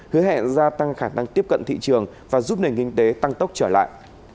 hứa hẹn gia tăng khả năng tiếp cận thị trường và giúp nền kinh tế tăng tốc trở lại